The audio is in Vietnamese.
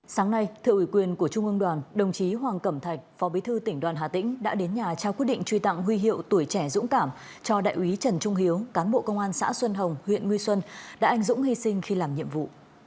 sáng nay thượng ủy quyền của trung ương đoàn đồng chí hoàng cẩm thạch phó bí thư tỉnh đoàn hà tĩnh đã đến nhà trao quyết định truy tặng huy hiệu tuổi trẻ dũng cảm cho đại úy trần trung hiếu cán bộ công an xã xuân hồng huyện nguy xuân đã anh dũng hy sinh khi làm nhiệm vụ